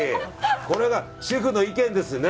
これが主婦の意見ですね。